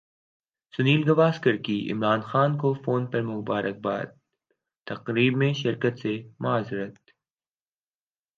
سنیل گواسکر کی عمران خان کو فون پر مبارکبادتقریب میں شرکت سے معذرت